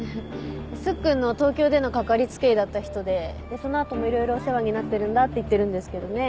スッくんの東京でのかかりつけ医だった人でその後もいろいろお世話になってるんだって言ってるんですけどね。